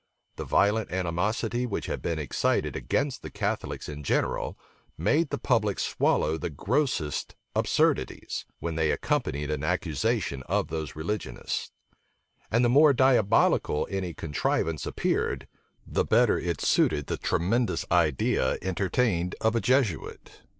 The violent animosity which had been excited against the Catholics in general, made the public swallow the grossest absurdities, when they accompanied an accusation of those religionists: and the more diabolical any contrivance appeared, the better it suited the tremendous idea entertained of a Jesuit.